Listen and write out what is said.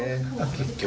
結局。